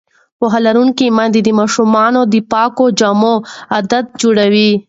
پوهه لرونکې میندې د ماشومانو د پاکو جامو عادت جوړوي.